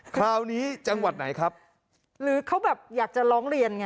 คราวนี้จังหวัดไหนครับหรือเขาแบบอยากจะร้องเรียนไง